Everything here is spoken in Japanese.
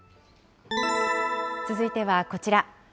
続いてはこちら。